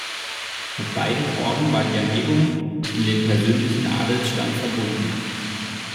Mit beiden Orden war die Erhebung in den persönlichen Adelsstand verbunden.